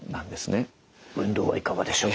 運動はいかがでしょう。